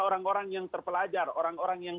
orang orang yang terpelajar orang orang yang